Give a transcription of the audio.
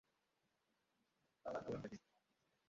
হ্যাঁ, গোয়েন্দাগিরি!